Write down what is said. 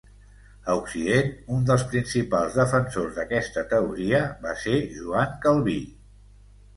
A occident, un dels principals defensors d'aquesta teoria va ser Joan Calví.